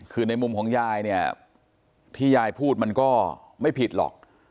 คือในมุมของยายเนี่ยที่ยายพูดมันก็ไม่ผิดหรอก